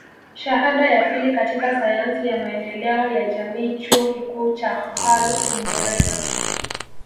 Shahada ya pili katika sayansi ya maendeleo ya jamii Chuo Kikuu cha Hull Uingereza